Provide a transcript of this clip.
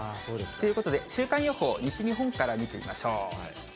ということで、週間予報、西日本から見てみましょう。